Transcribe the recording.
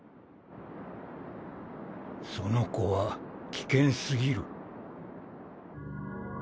その子は危険すぎる。